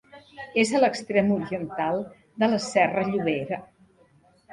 És a l'extrem oriental de la Serra Llobera.